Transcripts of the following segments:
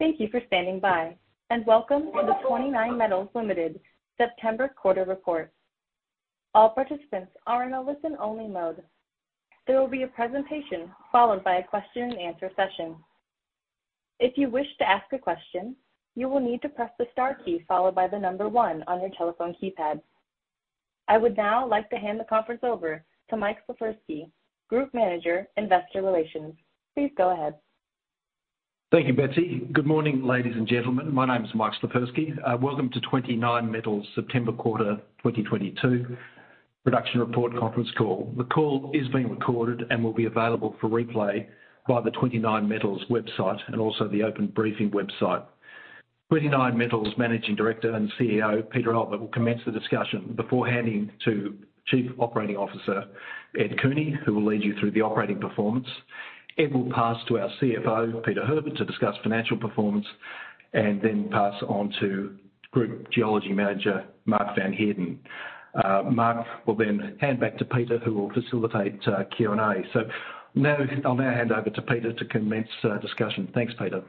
Thank you for standing by, and welcome to the 29Metals Limited September Quarter Report. All participants are in a listen-only mode. There will be a presentation followed by a question-and-answer session. If you wish to ask a question, you will need to press the star key followed by the number one on your telephone keypad. I would now like to hand the conference over to Michael Slifirski, Group Manager, Investor Relations. Please go ahead. Thank you, Betsy. Good morning, ladies and gentlemen. My name is Michael Slifirski. Welcome to 29Metals September Quarter 2022 Production Report Conference Call. The call is being recorded and will be available for replay via the 29Metals website and also the Open Briefing website. 29Metals Managing Director and CEO, Peter Albert, will commence the discussion before handing to Chief Operating Officer Ed Cooney, who will lead you through the operating performance. Ed will pass to our CFO, Peter Herbert, to discuss financial performance, and then pass on to Group Geology Manager, Mark van Heerden. Mark will then hand back to Peter, who will facilitate Q&A. Now, I'll now hand over to Peter to commence discussion. Thanks, Peter.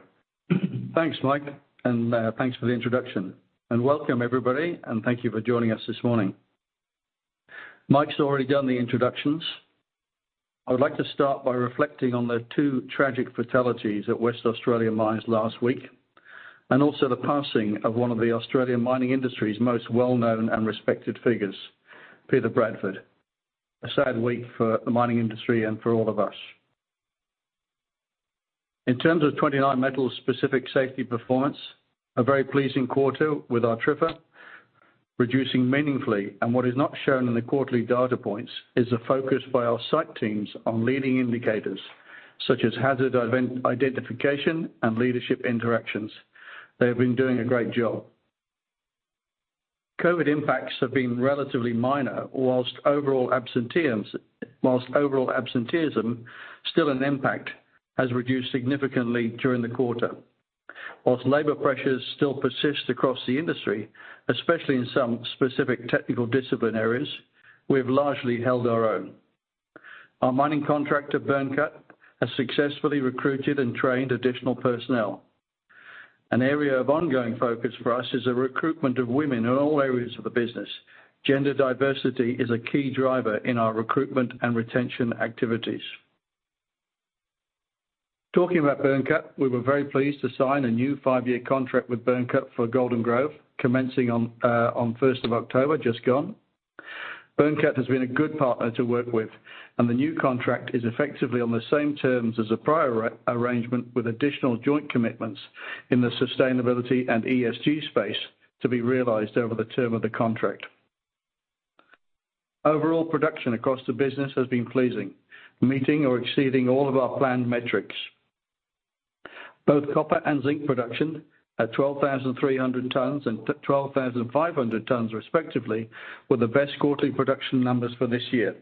Thanks, Mike, and thanks for the introduction. Welcome everybody, and thank you for joining us this morning. Mike's already done the introductions. I would like to start by reflecting on the two tragic fatalities at Western Australian mines last week, and also the passing of one of the Australian mining industry's most well-known and respected figures, Peter Bradford. A sad week for the mining industry and for all of us. In terms of 29Metals' specific safety performance, a very pleasing quarter with our TRIFR reducing meaningfully. What is not shown in the quarterly data points is the focus by our site teams on leading indicators such as hazard identification and leadership interactions. They have been doing a great job. COVID impacts have been relatively minor, while overall absenteeism, still an impact, has reduced significantly during the quarter. While labor pressures still persist across the industry, especially in some specific technical discipline areas, we have largely held our own. Our mining contractor, Byrnecut, has successfully recruited and trained additional personnel. An area of ongoing focus for us is the recruitment of women in all areas of the business. Gender diversity is a key driver in our recruitment and retention activities. Talking about Byrnecut, we were very pleased to sign a new five-year contract with Byrnecut for Golden Grove, commencing on first of October, just gone. Byrnecut has been a good partner to work with, and the new contract is effectively on the same terms as the prior arrangement, with additional joint commitments in the sustainability and ESG space to be realized over the term of the contract. Overall production across the business has been pleasing, meeting or exceeding all of our planned metrics. Both copper and zinc production at 12,300 tons and twelve thousand five hundred tons respectively, were the best quarterly production numbers for this year.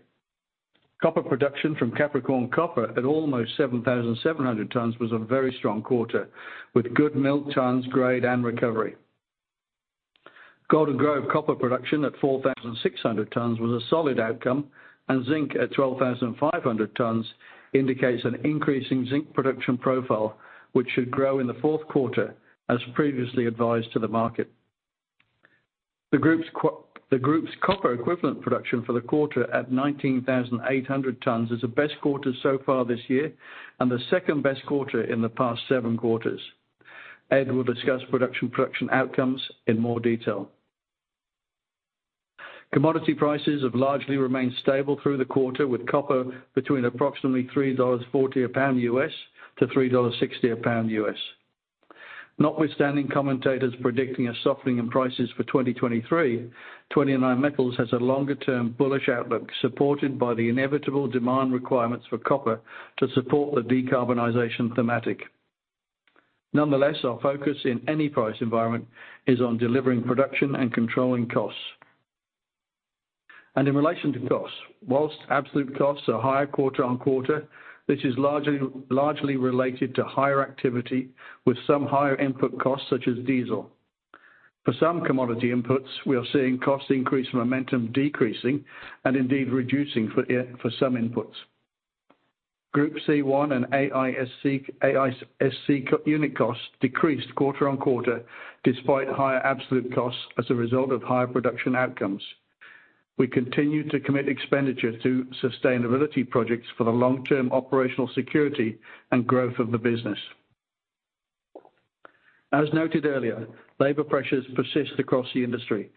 Copper production from Capricorn Copper at almost 7,700 tons was a very strong quarter, with good melt, tons, grade, and recovery. Golden Grove copper production at 4,600 tons was a solid outcome, and zinc at 12,500 tons indicates an increase in zinc production profile, which should grow in the fourth quarter, as previously advised to the market. The group's copper equivalent production for the quarter at 19,800 tons is the best quarter so far this year and the second-best quarter in the past seven quarters. Ed will discuss production outcomes in more detail. Commodity prices have largely remained stable through the quarter, with copper between approximately $3.40 a pound U.S.-$3.60 a pound U.S. Notwithstanding commentators predicting a softening in prices for 2023, 29Metals has a longer-term bullish outlook, supported by the inevitable demand requirements for copper to support the decarbonization thematic. Nonetheless, our focus in any price environment is on delivering production and controlling costs. In relation to costs, while absolute costs are higher quarter-over-quarter, this is largely related to higher activity with some higher input costs such as diesel. For some commodity inputs, we are seeing cost increase momentum decreasing and indeed reducing for some inputs. Group C1 and AISC unit costs decreased quarter-over-quarter despite higher absolute costs as a result of higher production outcomes. We continue to commit expenditure to sustainability projects for the long-term operational security and growth of the business. As noted earlier, labor pressures persist across the industry,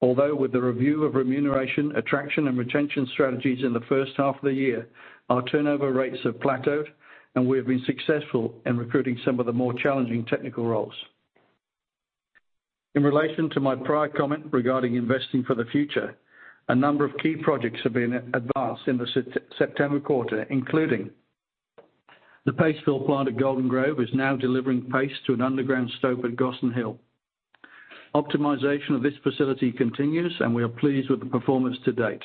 although with the review of remuneration, attraction, and retention strategies in the first half of the year, our turnover rates have plateaued, and we have been successful in recruiting some of the more challenging technical roles. In relation to my prior comment regarding investing for the future, a number of key projects have been advanced in the September quarter, including the paste fill plant at Golden Grove is now delivering paste to an underground stope at Gossan Hill. Optimization of this facility continues, and we are pleased with the performance to date.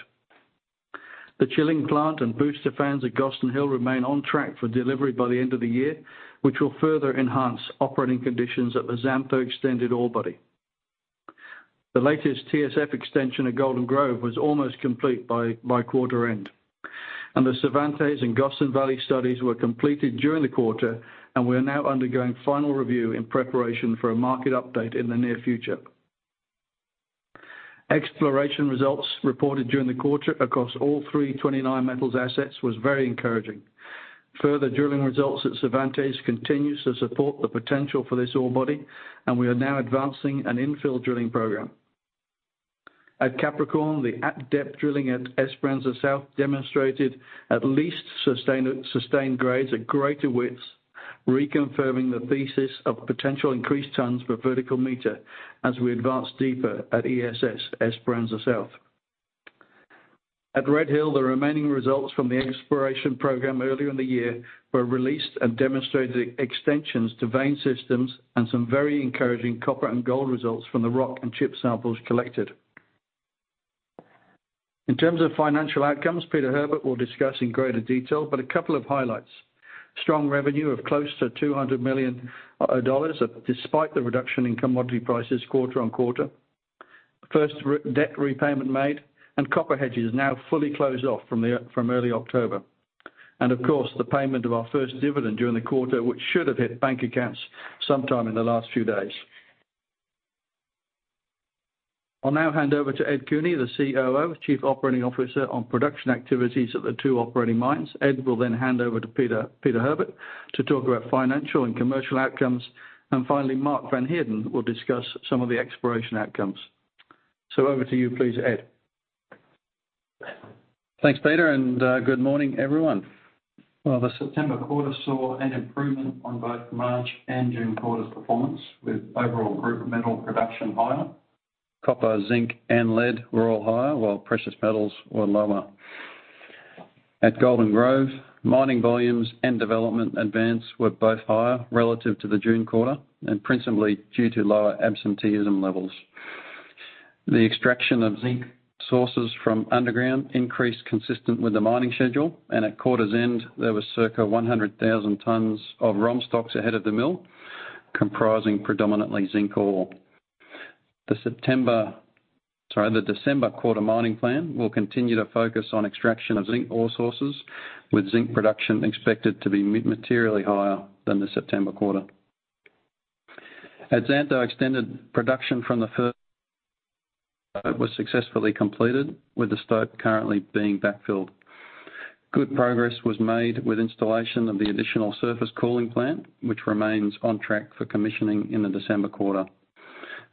The chilling plant and booster fans at Gossan Hill remain on track for delivery by the end of the year, which will further enhance operating conditions at the Xantho Extended ore body. The latest TSF extension at Golden Grove was almost complete by quarter end. The Cervantes and Gossan Valley studies were completed during the quarter, and we are now undergoing final review in preparation for a market update in the near future. Exploration results reported during the quarter across all three 29Metals assets was very encouraging. Further drilling results at Cervantes continues to support the potential for this ore body, and we are now advancing an infill drilling program. At Capricorn, the at-depth drilling at Esperanza South demonstrated at least sustained grades at greater widths, reconfirming the thesis of potential increased tons per vertical meter as we advance deeper at ESS, Esperanza South. At Red Hill, the remaining results from the exploration program earlier in the year were released and demonstrated extensions to vein systems and some very encouraging copper and gold results from the rock and chip samples collected. In terms of financial outcomes, Peter Herbert will discuss in greater detail, but a couple of highlights. Strong revenue of close to 200 million dollars despite the reduction in commodity prices quarter-over-quarter. First debt repayment made and copper hedges now fully closed off from early October. Of course, the payment of our first dividend during the quarter, which should have hit bank accounts sometime in the last few days. I'll now hand over to Ed Cooney, the COO, Chief Operating Officer, on production activities at the two operating mines. Ed will then hand over to Peter Herbert to talk about financial and commercial outcomes. Finally, Mark van Heerden will discuss some of the exploration outcomes. Over to you please, Ed. Thanks, Peter, and good morning, everyone. Well, the September quarter saw an improvement on both March and June quarter's performance with overall group metal production higher. Copper, zinc, and lead were all higher, while precious metals were lower. At Golden Grove, mining volumes and development advance were both higher relative to the June quarter and principally due to lower absenteeism levels. The extraction of zinc sources from underground increased consistent with the mining schedule. At quarter's end, there was circa 100,000 tons of ROM stocks ahead of the mill, comprising predominantly zinc ore. The December quarter mining plan will continue to focus on extraction of zinc ore sources, with zinc production expected to be materially higher than the September quarter. At Xantho Extended, production from the first was successfully completed, with the stope currently being backfilled. Good progress was made with installation of the additional surface cooling plant, which remains on track for commissioning in the December quarter.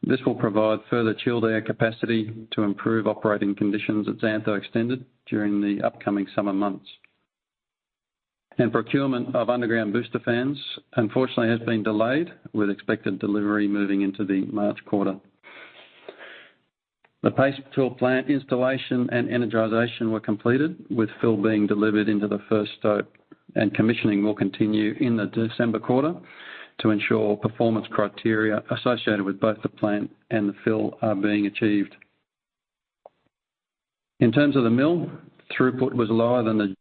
This will provide further chilled air capacity to improve operating conditions at Xantho Extended during the upcoming summer months. Procurement of underground booster fans, unfortunately, has been delayed, with expected delivery moving into the March quarter. The paste fill plant installation and energization were completed, with fill being delivered into the first stope, and commissioning will continue in the December quarter to ensure performance criteria associated with both the plant and the fill are being achieved. In terms of the mill, throughput was lower due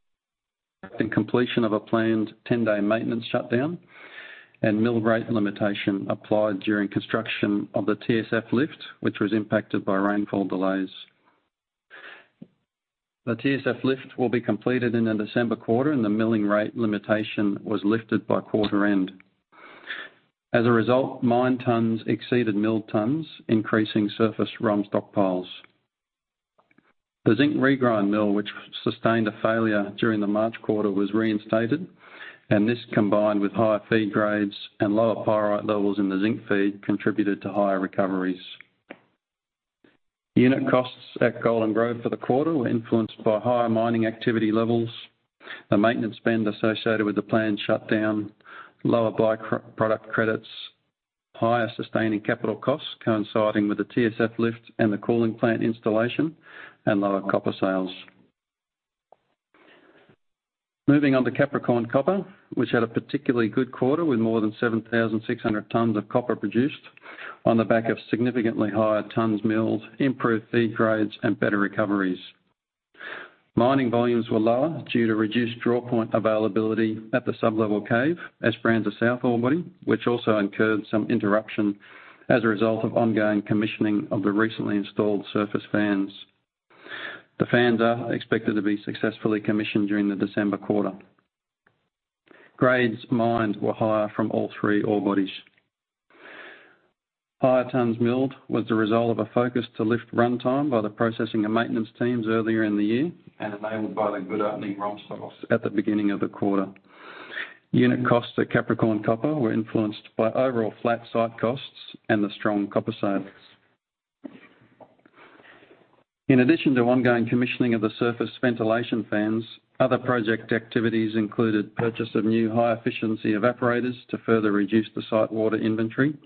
to the completion of a planned ten-day maintenance shutdown, and mill rate limitation applied during construction of the TSF lift, which was impacted by rainfall delays. The TSF lift will be completed in the December quarter, and the milling rate limitation was lifted by quarter end. As a result, mine tons exceeded mill tons, increasing surface ROM stockpiles. The zinc regrind mill, which sustained a failure during the March quarter, was reinstated, and this combined with higher feed grades and lower pyrite levels in the zinc feed, contributed to higher recoveries. Unit costs at Golden Grove for the quarter were influenced by higher mining activity levels, the maintenance spend associated with the planned shutdown, lower by-product credits, higher sustaining capital costs coinciding with the TSF lift and the cooling plant installation and lower copper sales. Moving on to Capricorn Copper, which had a particularly good quarter with more than 7,600 tons of copper produced on the back of significantly higher tons milled, improved feed grades, and better recoveries. Mining volumes were lower due to reduced draw point availability at the sublevel cave, Esperanza South ore body, which also incurred some interruption as a result of ongoing commissioning of the recently installed surface fans. The fans are expected to be successfully commissioned during the December quarter. Grades mined were higher from all three ore bodies. Higher tons milled was the result of a focus to lift runtime by the processing and maintenance teams earlier in the year and enabled by the good opening ROM stocks at the beginning of the quarter. Unit costs at Capricorn Copper were influenced by overall flat site costs and the strong copper sales. In addition to ongoing commissioning of the surface ventilation fans, other project activities included purchase of new high-efficiency evaporators to further reduce the site water inventory,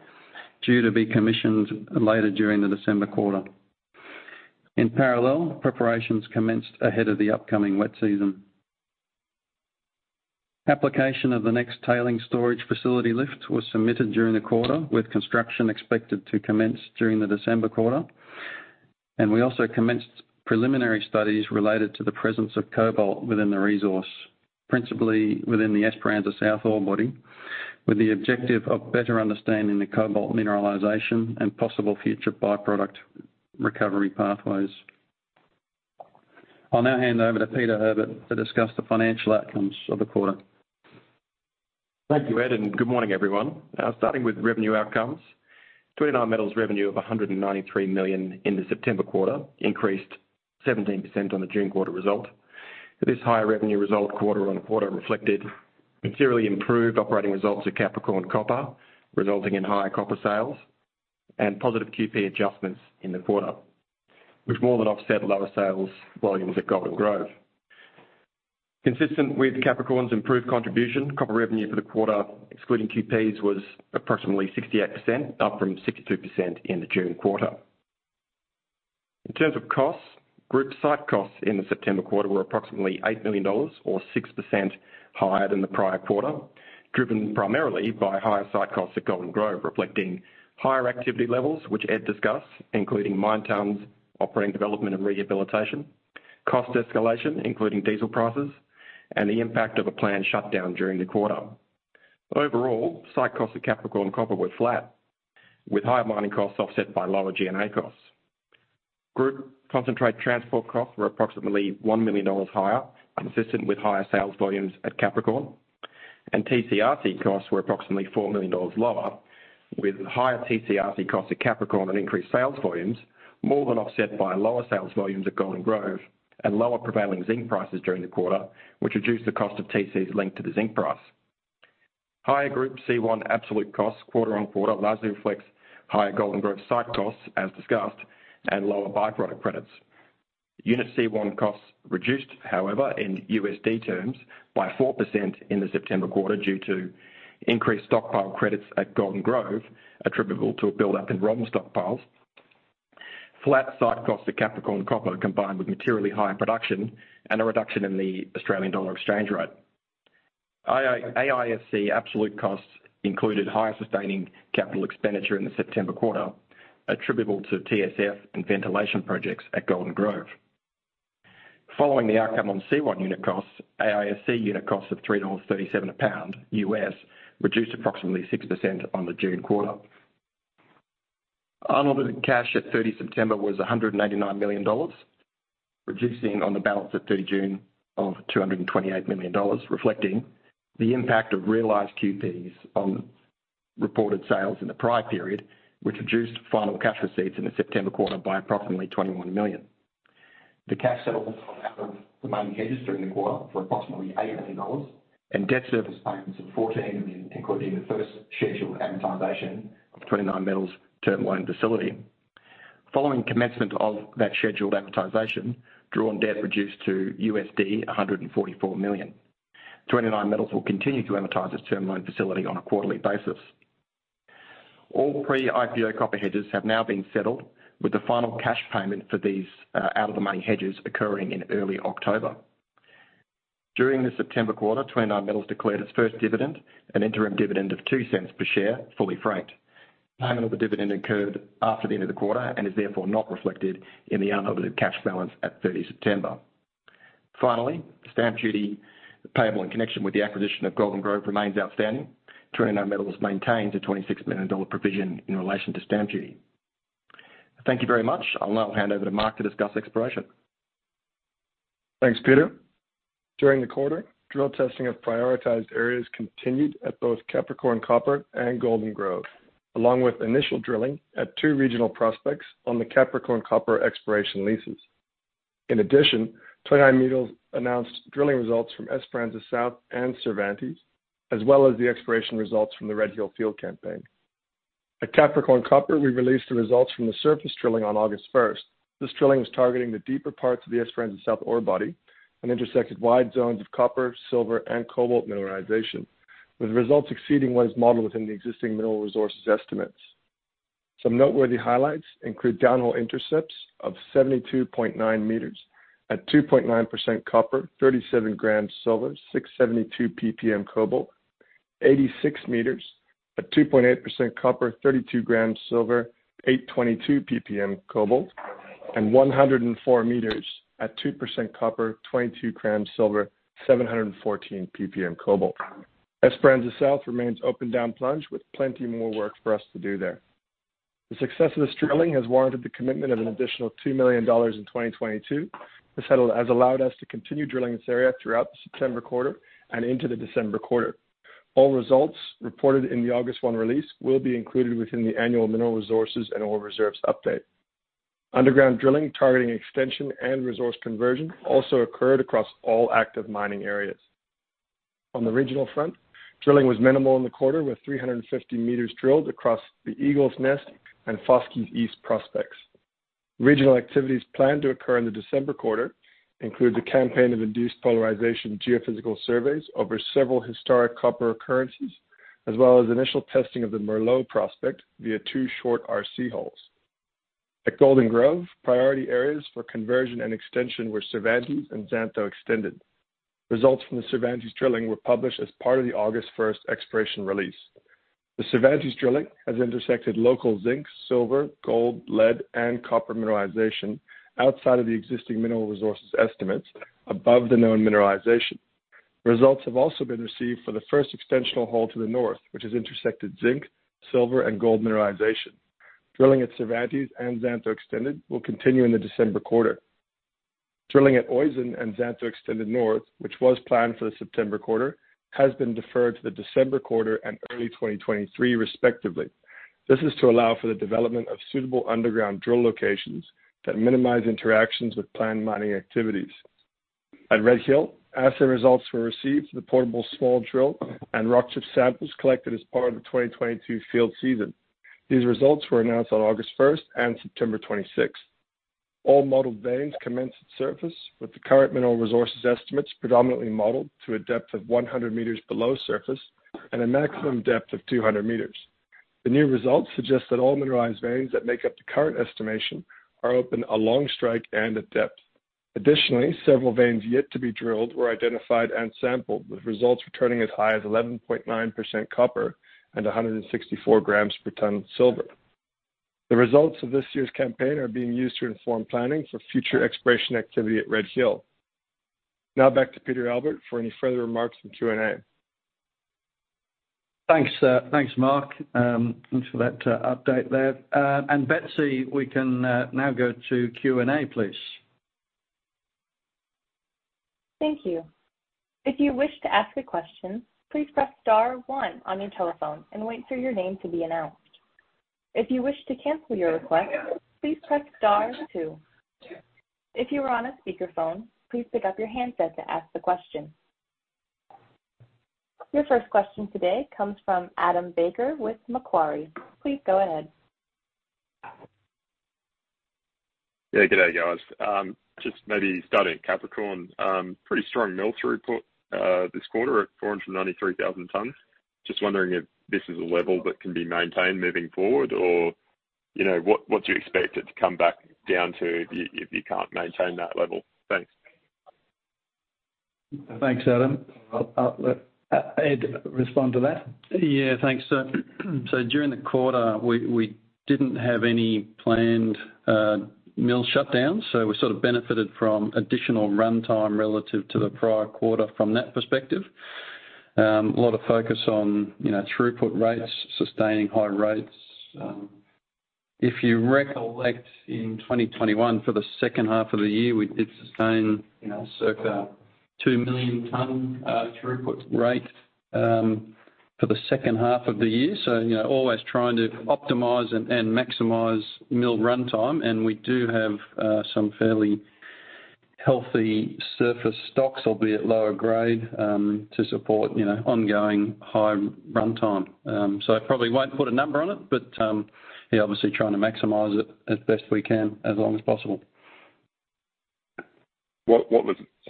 due to be commissioned later during the December quarter. In parallel, preparations commenced ahead of the upcoming wet season. Application of the next tailings storage facility lift was submitted during the quarter, with construction expected to commence during the December quarter. We also commenced preliminary studies related to the presence of cobalt within the resource, principally within the Esperanza South ore body, with the objective of better understanding the cobalt mineralization and possible future by-product recovery pathways. I'll now hand over to Peter Herbert to discuss the financial outcomes of the quarter. Thank you, Ed, and good morning, everyone. Now starting with revenue outcomes. 29Metals revenue of 193 million in the September quarter increased 17% on the June quarter result. This higher revenue result quarter on quarter reflected materially improved operating results at Capricorn Copper, resulting in higher copper sales and positive QP adjustments in the quarter, which more than offset lower sales volumes at Golden Grove. Consistent with Capricorn's improved contribution, copper revenue for the quarter, excluding QPs, was approximately 68%, up from 62% in the June quarter. In terms of costs, group site costs in the September quarter were approximately 8 million dollars or 6% higher than the prior quarter, driven primarily by higher site costs at Golden Grove, reflecting higher activity levels which Ed discussed, including mine tonnes, operating development and rehabilitation, cost escalation, including diesel prices, and the impact of a planned shutdown during the quarter. Overall, site costs at Capricorn Copper were flat, with higher mining costs offset by lower G&A costs. Group concentrate transport costs were approximately 1 million dollars higher, consistent with higher sales volumes at Capricorn, and TCRC costs were approximately 4 million dollars lower, with higher TCRC costs at Capricorn and increased sales volumes more than offset by lower sales volumes at Golden Grove and lower prevailing zinc prices during the quarter, which reduced the cost of TCs linked to the zinc price. Higher group C1 absolute costs quarter-on-quarter largely reflects higher Golden Grove site costs, as discussed, and lower by-product credits. Unit C1 costs reduced, however, in USD terms by 4% in the September quarter due to increased stockpile credits at Golden Grove, attributable to a build-up in raw material stockpiles. Flat site costs at Capricorn Copper combined with materially higher production and a reduction in the Australian dollar exchange rate. AISC absolute costs included higher sustaining capital expenditure in the September quarter, attributable to TSF and ventilation projects at Golden Grove. Following the outcome on C1 unit costs, AISC unit costs of $3.37 a pound U.S. reduced approximately 6% on the June quarter. Unaudited cash at 30 September was 189 million dollars, reducing on the balance at 3 June of 228 million dollars, reflecting the impact of realized QPs on reported sales in the prior period, which reduced final cash receipts in the September quarter by approximately 21 million. The cash settled out of the mining hedges during the quarter for approximately 8 million dollars and debt service payments of 14 million, including the first scheduled amortization of 29Metals' term loan facility. Following commencement of that scheduled amortization, drawn debt reduced to $144 million. 29Metals will continue to amortize its term loan facility on a quarterly basis. All pre-IPO copper hedges have now been settled with the final cash payment for these out of the money hedges occurring in early October. During the September quarter, 29Metals declared its first dividend, an interim dividend of 0.02 per share, fully franked. Payment of the dividend occurred after the end of the quarter and is therefore not reflected in the unaudited cash balance at 30 September. Finally, stamp duty payable in connection with the acquisition of Golden Grove remains outstanding. 29Metals maintains an 26 million dollar provision in relation to stamp duty. Thank you very much. I'll now hand over to Mark to discuss exploration. Thanks, Peter. During the quarter, drill testing of prioritized areas continued at both Capricorn Copper and Golden Grove, along with initial drilling at two regional prospects on the Capricorn Copper exploration leases. In addition, 29Metals announced drilling results from Esperanza South and Cervantes, as well as the exploration results from the Red Hill field campaign. At Capricorn Copper, we released the results from the surface drilling on August first. This drilling was targeting the deeper parts of the Esperanza South ore body and intersected wide zones of copper, silver and cobalt mineralization, with results exceeding what is modeled within the existing mineral resources estimates. Some noteworthy highlights include downhole intercepts of 72.9 meters at 2.9% copper, 37 grams silver, 672 PPM cobalt, 86 meters at 2.8% copper, 32 grams silver, 822 PPM cobalt, and 104 meters at 2% copper, 22 grams silver, 714 PPM cobalt. Esperanza South remains open down plunge with plenty more work for us to do there. The success of this drilling has warranted the commitment of an additional 2 million dollars in 2022. This settlement has allowed us to continue drilling this area throughout the September quarter and into the December quarter. All results reported in the August 1 release will be included within the annual mineral resources and ore reserves update. Underground drilling, targeting extension and resource conversion, also occurred across all active mining areas. On the regional front, drilling was minimal in the quarter, with 350 meters drilled across the Eagle's Nest and Fortsky East prospects. Regional activities planned to occur in the December quarter includes a campaign of induced polarization geophysical surveys over several historic copper occurrences, as well as initial testing of the Merlot prospect via 2 short RC holes. At Golden Grove, priority areas for conversion and extension were Cervantes and Xantho Extended. Results from the Cervantes drilling were published as part of the August first exploration release. The Cervantes drilling has intersected local zinc, silver, gold, lead and copper mineralization outside of the existing mineral resources estimates above the known mineralization. Results have also been received for the first extensional hole to the north, which has intersected zinc, silver and gold mineralization. Drilling at Cervantes and Xantho Extended will continue in the December quarter. Drilling at Oizon and Xantho Extended north, which was planned for the September quarter, has been deferred to the December quarter and early 2023 respectively. This is to allow for the development of suitable underground drill locations that minimize interactions with planned mining activities. At Red Hill, assay results were received for the portable small drill and rock chip samples collected as part of the 2022 field season. These results were announced on August 1 and September 26. All modeled veins outcrop at surface, with the current mineral resource estimates predominantly modeled to a depth of 100 meters below surface and a maximum depth of 200 meters. The new results suggest that all mineralized veins that make up the current estimation are open along strike and at depth. Additionally, several veins yet to be drilled were identified and sampled, with results returning as high as 11.9% copper and 164 grams per ton silver. The results of this year's campaign are being used to inform planning for future exploration activity at Red Hill. Now back to Peter Albert for any further remarks from Q&A. Thanks, Mark, for that update there. Betsy, we can now go to Q&A, please. Thank you. If you wish to ask a question, please press star one on your telephone and wait for your name to be announced. If you wish to cancel your request, please press star two. If you are on a speakerphone, please pick up your handset to ask the question. Your first question today comes from Adam Baker with Macquarie. Please go ahead. Yeah, good day, guys. Just maybe starting Capricorn, pretty strong mill throughput, this quarter at 493,000 tons. Just wondering if this is a level that can be maintained moving forward, or, you know, what do you expect it to come back down to if you can't maintain that level? Thanks. Thanks, Adam. I'll let Ed respond to that. Yeah, thanks. During the quarter, we didn't have any planned mill shutdowns, so we sort of benefited from additional runtime relative to the prior quarter from that perspective. A lot of focus on you know, throughput rates, sustaining high rates. If you recollect in 2021 for the second half of the year, we did sustain you know, circa 2 million tonne throughput rate for the second half of the year. You know, always trying to optimize and maximize mill runtime. We do have some fairly healthy surface stocks, albeit lower grade, to support you know, ongoing high runtime. I probably won't put a number on it, but yeah, obviously trying to maximize it as best we can as long as possible.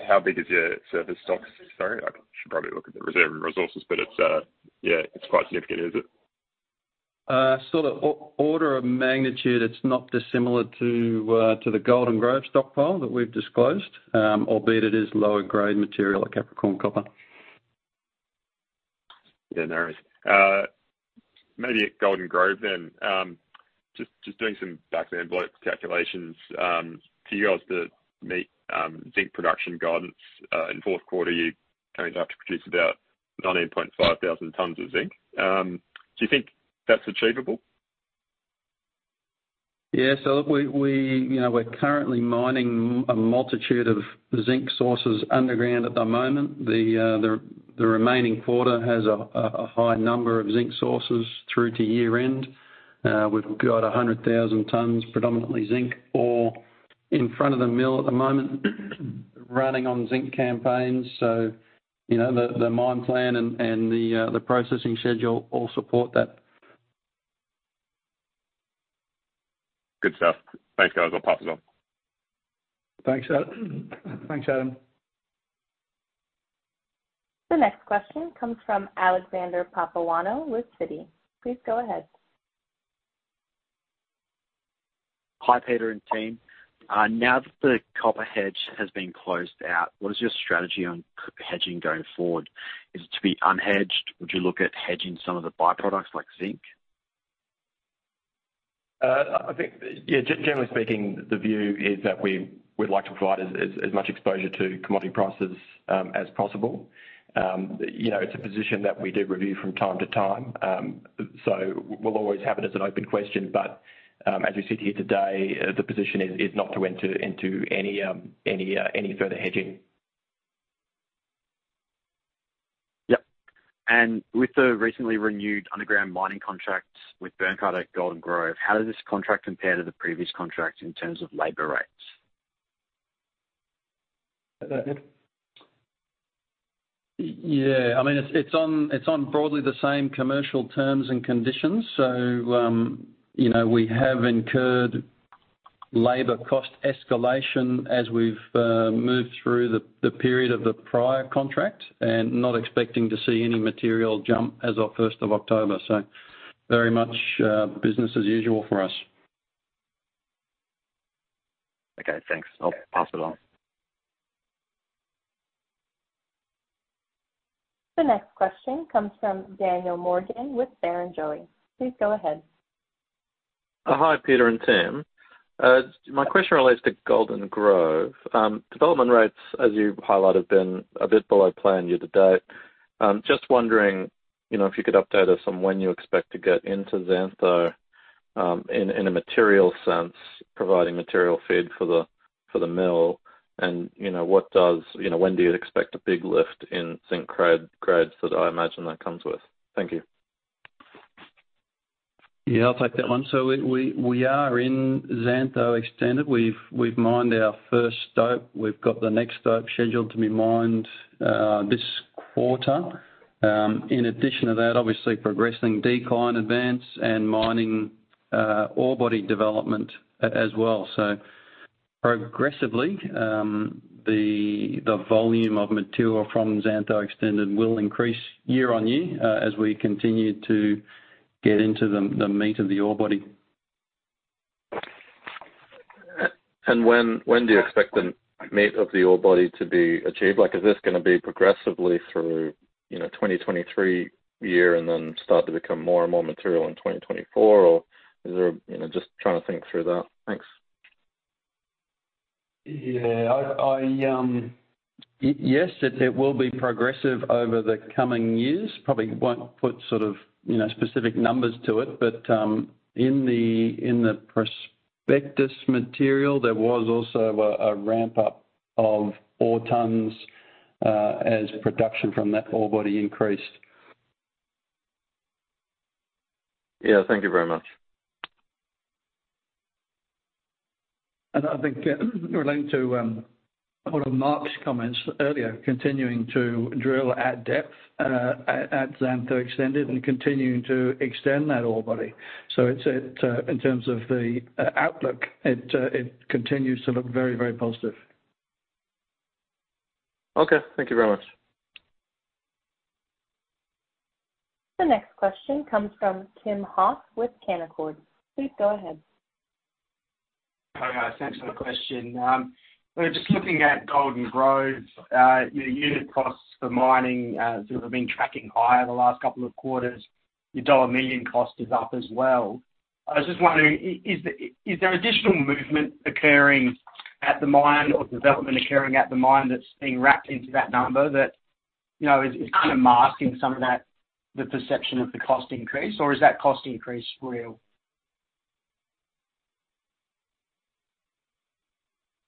How big is your surface stocks? Sorry, I should probably look at the reserves and resources, but it's yeah, it's quite significant, is it? The order of magnitude, it's not dissimilar to the Golden Grove stockpile that we've disclosed, albeit it is lower grade material at Capricorn Copper. Yeah, no worries. Maybe at Golden Grove then, just doing some back of the envelope calculations. For you guys to meet zinc production guidance in fourth quarter, you're going to have to produce about 19,500 tons of zinc. Do you think that's achievable? You know, we're currently mining a multitude of zinc sources underground at the moment. The remaining quarter has a high number of zinc sources through to year-end. We've got 100,000 tons, predominantly zinc ore, in front of the mill at the moment running on zinc campaigns, so you know, the mine plan and the processing schedule all support that. Good stuff. Thanks, guys. I'll pass it on. Thanks, Adam. The next question comes from Alexander Papageorgiou with Citi. Please go ahead. Hi, Peter and team. Now that the copper hedge has been closed out, what is your strategy on hedging going forward? Is it to be unhedged? Would you look at hedging some of the byproducts like zinc? I think, yeah, generally speaking, the view is that we'd like to provide as much exposure to commodity prices as possible. You know, it's a position that we do review from time to time. We'll always have it as an open question, but as we sit here today, the position is not to enter into any further hedging. Yep. With the recently renewed underground mining contracts with Byrnecut at Golden Grove, how does this contract compare to the previous contract in terms of labor rates? Is that it, Ed? Yeah. I mean, it's on broadly the same commercial terms and conditions. You know, we have incurred labor cost escalation as we've moved through the period of the prior contract and not expecting to see any material jump as of first of October. Very much, business as usual for us. Okay, thanks. I'll pass it on. The next question comes from Daniel Morgan with Barrenjoey. Please go ahead. Hi, Peter and Tim. My question relates to Golden Grove. Development rates, as you highlight, have been a bit below plan year to date. Just wondering, you know, if you could update us on when you expect to get into Xantho, in a material sense, providing material feed for the mill and, you know, when do you expect a big lift in zinc grades that I imagine that comes with? Thank you. Yeah, I'll take that one. We are in Xantho Extended. We've mined our first stope. We've got the next stope scheduled to be mined this quarter. In addition to that, obviously progressing decline advance and mining ore body development as well. Progressively, the volume of material from Xantho Extended will increase year on year as we continue to get into the meat of the ore body. When do you expect the meat of the ore body to be achieved? Like, is this gonna be progressively through, you know, 2023 and then start to become more and more material in 2024? Or is there? You know, just trying to think through that. Thanks. Yeah. Yes, it will be progressive over the coming years. Probably won't put sort of, you know, specific numbers to it, but in the prospectus material, there was also a ramp up of ore tons as production from that orebody increased. Yeah. Thank you very much. I think relating to one of Mark's comments earlier, continuing to drill at depth at Xantho Extended and continuing to extend that ore body. It continues to look very, very positive. Okay. Thank you very much. The next question comes from Tim Huff with Canaccord. Please go ahead. Hi, guys. Thanks for the question. We're just looking at Golden Grove. Your unit costs for mining seem to have been tracking higher the last couple of quarters. Your dollar million cost is up as well. I was just wondering, is there additional movement occurring at the mine or development occurring at the mine that's being wrapped into that number that, you know, is kind of masking some of that, the perception of the cost increase, or is that cost increase real?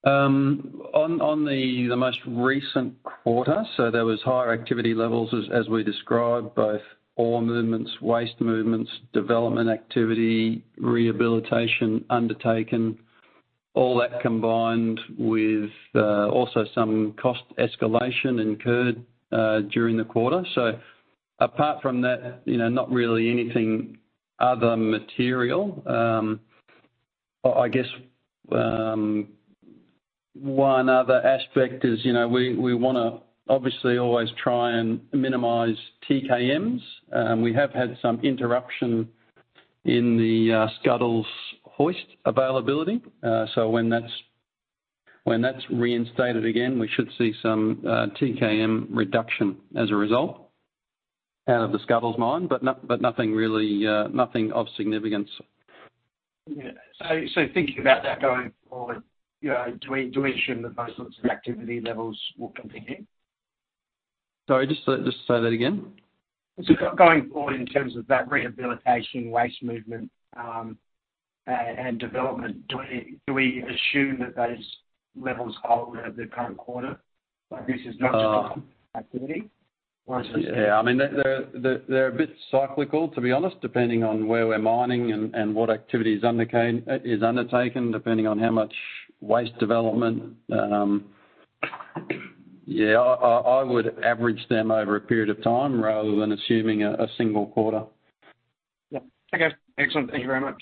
On the most recent quarter, there was higher activity levels as we described, both ore movements, waste movements, development activity, rehabilitation undertaken, all that combined with also some cost escalation incurred during the quarter. Apart from that, you know, not really anything other material. I guess one other aspect is, you know, we wanna obviously always try and minimize Tonne-kilometre. We have had some interruption in the Scuddles hoist availability. So when that's reinstated again, we should see some TKM reduction as a result out of the Scuddles mine, but nothing really of significance. Yeah. Thinking about that going forward, you know, do we assume that those sorts of activity levels will continue? Sorry, just say that again. Going forward in terms of that rehabilitation waste movement, and development, do we assume that those levels hold at the current quarter? Like, this is not just activity or is this- Yeah, I mean, they're a bit cyclical, to be honest, depending on where we're mining and what activity is undertaken, depending on how much waste development. Yeah, I would average them over a period of time rather than assuming a single quarter. Yeah. Okay. Excellent. Thank you very much.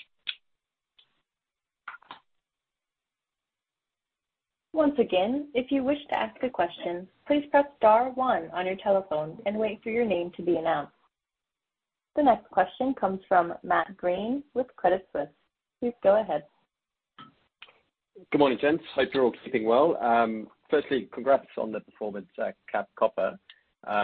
Once again, if you wish to ask a question, please press star one on your telephone and wait for your name to be announced. The next question comes from Matt Greene with Credit Suisse. Please go ahead. Good morning, gents. Hope you're all keeping well. Firstly, congrats on the performance at Capricorn Copper.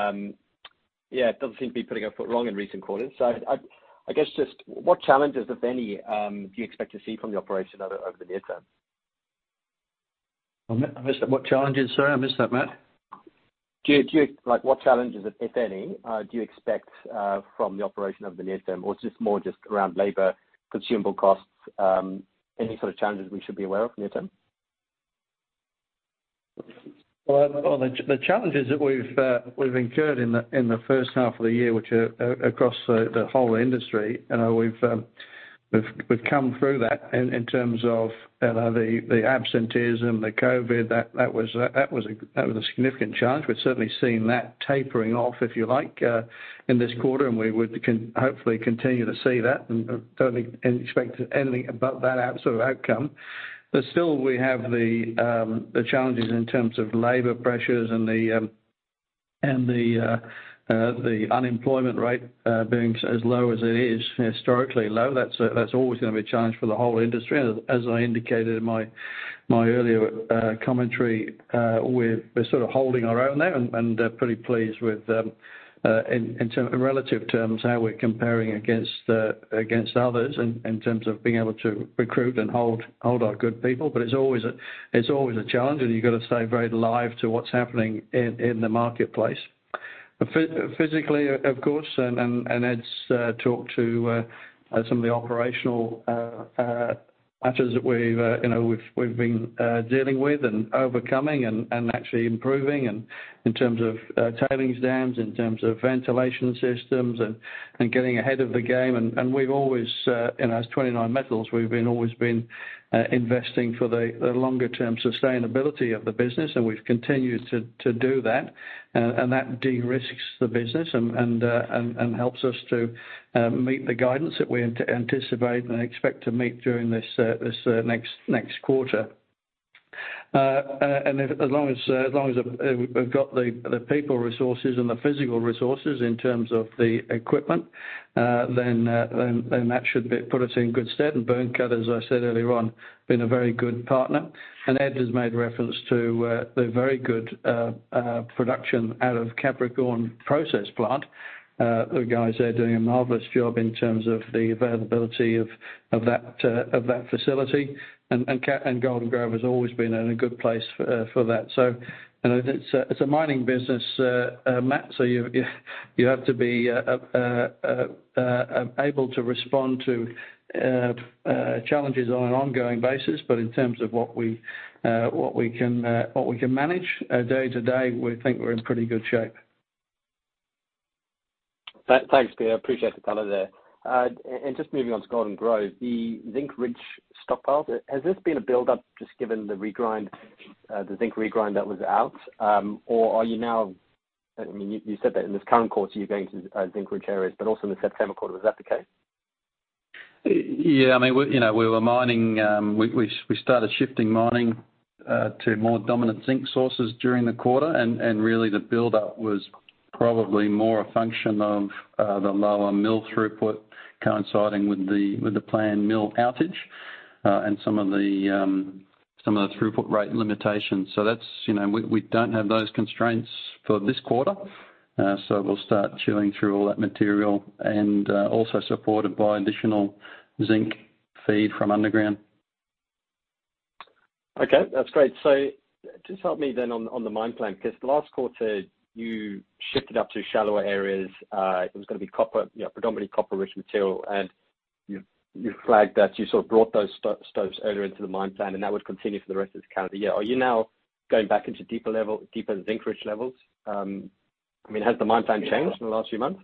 Yeah, it doesn't seem to be putting a foot wrong in recent quarters. I guess just what challenges, if any, do you expect to see from the operation over the near term? I missed that. What challenges? Sorry, I missed that, Matt. Like, what challenges, if any, do you expect from the operation over the near term, or is this more just around labor, consumable costs, any sort of challenges we should be aware of near term? Well, the challenges that we've incurred in the first half of the year, which are across the whole industry, you know, we've come through that in terms of, you know, the absenteeism, the COVID, that was a significant challenge. We've certainly seen that tapering off, if you like, in this quarter, and we would hopefully continue to see that and don't expect anything but that sort of outcome. Still, we have the challenges in terms of labor pressures and the and the unemployment rate being as low as it is, historically low, that's always gonna be a challenge for the whole industry. I indicated in my earlier commentary, we're sort of holding our own there and pretty pleased with, in relative terms, how we're comparing against others in terms of being able to recruit and hold our good people. It's always a challenge, and you gotta stay very alive to what's happening in the marketplace. Physically, of course, Ed's talked to some of the operational matters that we've you know we've been dealing with and overcoming and actually improving and in terms of tailings dams, in terms of ventilation systems and getting ahead of the game. We've always you know as 29Metals we've always been investing for the longer-term sustainability of the business, and we've continued to do that. That de-risks the business and helps us to meet the guidance that we anticipate and expect to meet during this next quarter. As long as we've got the people resources and the physical resources in terms of the equipment, then that should put us in good stead. Barminco, as I said earlier on, been a very good partner. Ed has made reference to the very good production out of Capricorn Processing Plant. The guys there are doing a marvelous job in terms of the availability of that facility. Capricorn and Golden Grove has always been in a good place for that. You know, it's a mining business, Matt, so you have to be able to respond to challenges on an ongoing basis. In terms of what we can manage day to day, we think we're in pretty good shape. Thanks, Peter. Appreciate the color there. Just moving on to Golden Grove, the Zinc Ridge stockpiles, has this been a buildup just given the regrind, the zinc regrind that was out, or are you now I mean, you said that in this current quarter, you're going to the Zinc Ridge areas, but also in the September quarter. Was that the case? Yeah, I mean, you know, we were mining, we started shifting mining to more dominant zinc sources during the quarter. Really the buildup was probably more a function of the lower mill throughput coinciding with the planned mill outage and some of the throughput rate limitations. That's, you know, we don't have those constraints for this quarter, so we'll start chewing through all that material and also supported by additional zinc feed from underground. Okay, that's great. Just help me then on the mine plan, because the last quarter, you shifted up to shallower areas. It was gonna be copper, you know, predominantly copper-rich material, and you flagged that you sort of brought those stopes earlier into the mine plan, and that would continue for the rest of the calendar year. Are you now going back into deeper level, deeper zinc-rich levels? I mean, has the mine plan changed in the last few months?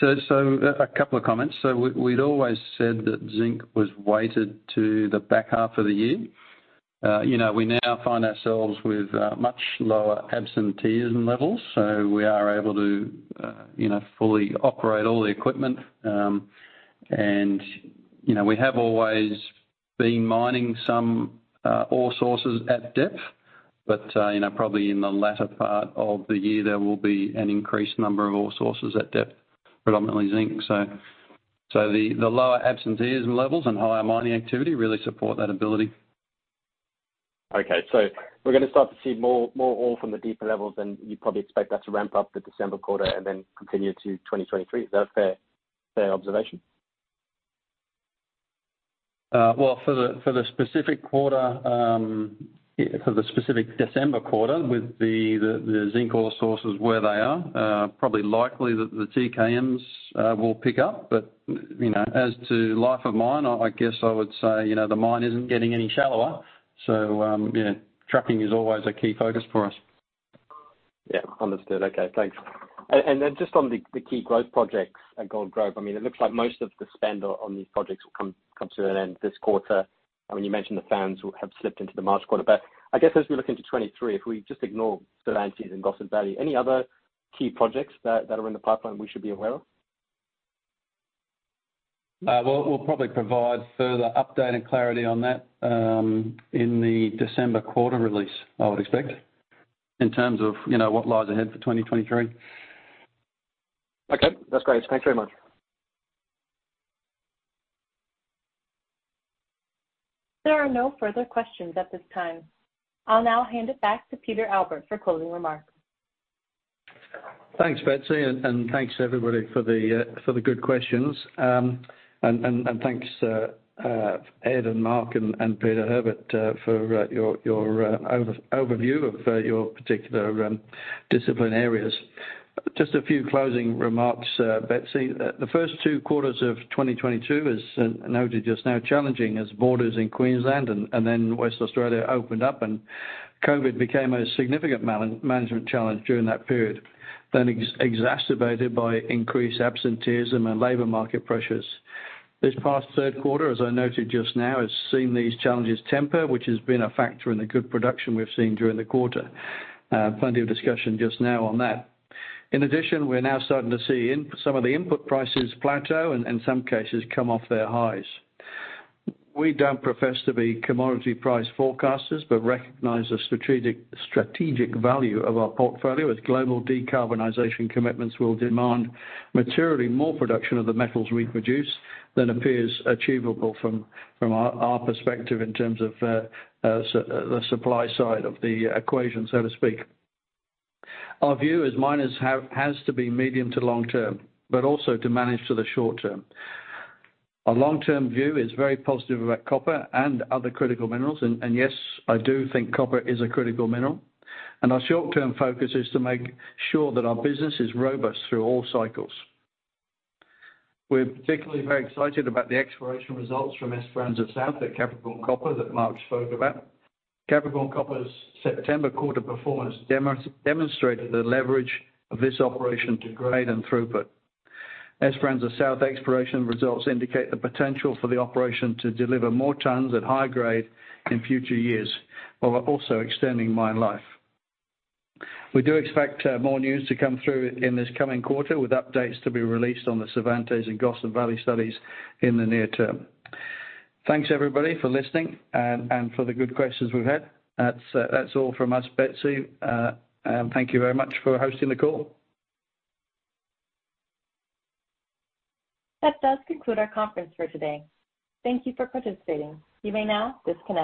A couple of comments. We'd always said that zinc was weighted to the back half of the year. We now find ourselves with much lower absenteeism levels, so we are able to fully operate all the equipment. We have always been mining some ore sources at depth, but probably in the latter part of the year, there will be an increased number of ore sources at depth, predominantly zinc. The lower absenteeism levels and higher mining activity really support that ability. Okay. We're gonna start to see more ore from the deeper levels, and you probably expect that to ramp up the December quarter and then continue to 2023. Is that a fair observation? Well, for the specific December quarter with the zinc ore sources where they are, probably likely that the tonne-kilometre will pick up. You know, as to life of mine, I guess I would say, you know, the mine isn't getting any shallower. You know, trucking is always a key focus for us. Yeah. Understood. Okay, thanks. Just on the key growth projects at Golden Grove, I mean, it looks like most of the spend on these projects will come to an end this quarter. I mean, you mentioned the fans have slipped into the March quarter. I guess as we look into 2023, if we just ignore Cervantes and Gossan Valley, any other key projects that are in the pipeline we should be aware of? We'll probably provide further update and clarity on that in the December quarter release, I would expect, in terms of, you know, what lies ahead for 2023. Okay, that's great. Thanks very much. There are no further questions at this time. I'll now hand it back to Peter Albert for closing remarks. Thanks, Betsy, and thanks everybody for the good questions. Thanks Ed and Mark and Peter Herbert for your overview of your particular discipline areas. Just a few closing remarks, Betsy. The first two quarters of 2022, as noted just now, challenging as borders in Queensland and then Western Australia opened up, and COVID became a significant man-management challenge during that period. Then exacerbated by increased absenteeism and labor market pressures. This past third quarter, as I noted just now, has seen these challenges temper, which has been a factor in the good production we've seen during the quarter. Plenty of discussion just now on that. In addition, we're now starting to see some of the input prices plateau and in some cases come off their highs. We don't profess to be commodity price forecasters but recognize the strategic value of our portfolio as global decarbonization commitments will demand materially more production of the metals we produce than appears achievable from our perspective in terms of the supply side of the equation, so to speak. Our view as miners has to be medium to long term, but also to manage to the short term. Our long-term view is very positive about copper and other critical minerals. Yes, I do think copper is a critical mineral. Our short-term focus is to make sure that our business is robust through all cycles. We're particularly very excited about the exploration results from Esperanza South at Capricorn Copper that Mark spoke about. Capricorn Copper's September quarter performance demonstrated the leverage of this operation to grade and throughput. Esperanza South exploration results indicate the potential for the operation to deliver more tons at high grade in future years while also extending mine life. We do expect more news to come through in this coming quarter with updates to be released on the Cervantes and Gossan Valley studies in the near term. Thanks, everybody, for listening and for the good questions we've had. That's all from us, Betsy. Thank you very much for hosting the call. That does conclude our conference for today. Thank you for participating. You may now disconnect.